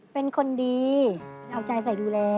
เป็นคนดีเอาใจใส่ดูแล